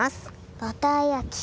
バター焼き。